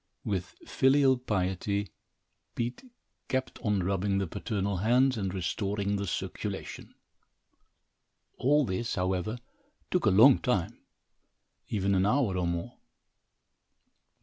With filial piety, Pete kept on rubbing the paternal hands and restoring the circulation. All this, however, took a long time, even an hour or more.